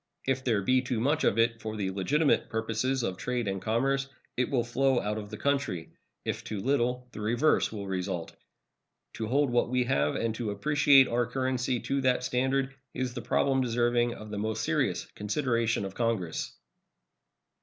If there be too much of it for the legitimate purposes of trade and commerce, it will flow out of the country. If too little, the reverse will result. To hold what we have and to appreciate our currency to that standard is the problem deserving of the most serious consideration of Congress.